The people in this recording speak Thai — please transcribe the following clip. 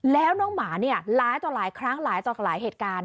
แล้วน้องหมาเนี่ยหลายต่อหลายครั้งหลายต่อหลายเหตุการณ์